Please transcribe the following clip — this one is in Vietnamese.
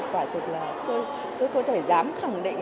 quả thực là tôi có thể dám khẳng định